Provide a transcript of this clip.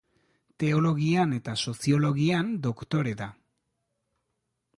Teologian eta Soziologian doktore da.